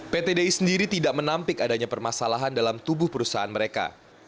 pt di sendiri tidak menampik adanya permasalahan dalam tubuh perusahaan mereka